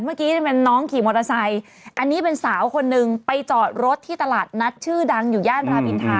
เมื่อกี้เป็นน้องขี่มอเตอร์ไซค์อันนี้เป็นสาวคนนึงไปจอดรถที่ตลาดนัดชื่อดังอยู่ย่านรามอินทา